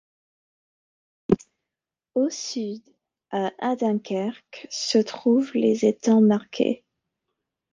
Au sud, à Adinkerque, se trouvent les étangs Markey.